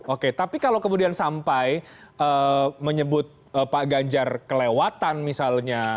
oke tapi kalau kemudian sampai menyebut pak ganjar kelewatan misalnya